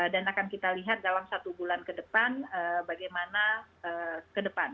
dan akan kita lihat dalam satu bulan ke depan bagaimana ke depan